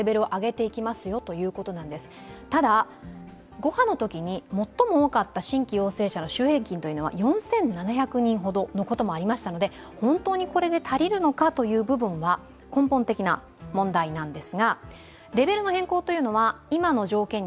５波のときに最も多かった新規陽性者の週平均は４７００人ほどのこともありましたので本当にこれで足りるのかという部分は根本的な問題です。